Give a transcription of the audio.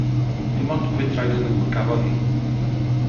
Dim ond gwydraid o ddŵr gafodd hi.